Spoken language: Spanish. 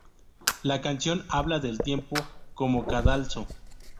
La canción habla del tiempo como cadalso.